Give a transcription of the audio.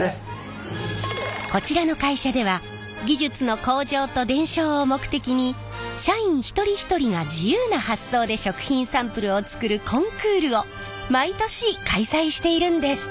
こちらの会社では技術の向上と伝承を目的に社員一人一人が自由な発想で食品サンプルを作るコンクールを毎年開催しているんです！